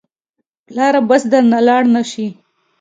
پلاره بس درنه لاړ نه شې.